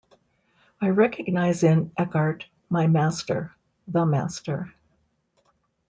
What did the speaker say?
I recognize in Eckhart my master, the master.